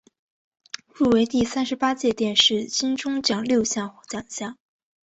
入围第三十八届电视金钟奖六项奖项。